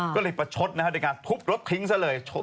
ก็เลยประชดในการทุบรถทิ้งซะเลย